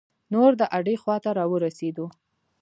نور د اډې خواته را ورسیدلو.